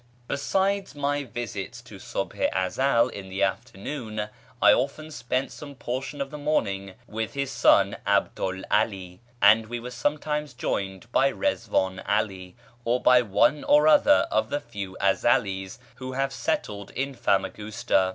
Besides my visits to Subh i Ezel in the afternoon I often spent some portion of the morning with his son 'Abdu'l 'Alí, and we were sometimes joined by Rizván 'Alí, or by one or other of the few Ezelís who have settled in Famagusta.